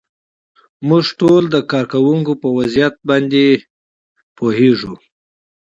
موږ ټول د کارکوونکو په وضعیت باندې پوهیږو.